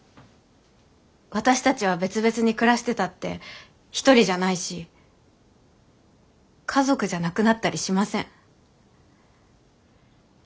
私たちは別々に暮らしてたって一人じゃないし家族じゃなくなったりしません。